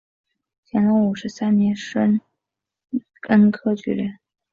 乾隆五十三年戊申恩科举人。